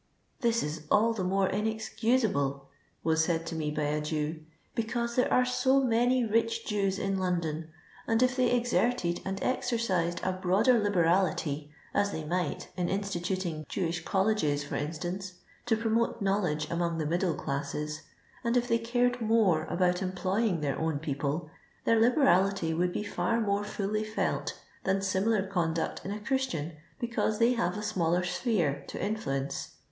" This is all the more inexcusable," was said to me by a Jew, because there are so many rich Jews in London, and if they exerted and ex ercised a broader liberality, as they might in in stituting Jewish colleges, for instance, to promote knowledge among the middle classes, and if they cared more about employing their own people, their liberality would be for more fully felt than similar conduct in a Christian, becanse they have a smaller sphere to influence.